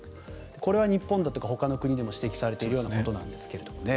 これは日本だとかほかの国でも指摘されているようなことですが。